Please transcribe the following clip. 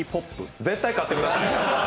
絶対勝ってくださいね。